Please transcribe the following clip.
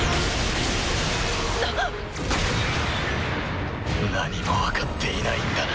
なっ⁉何も分かっていないんだな。